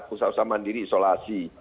usaha usaha mandiri isolasi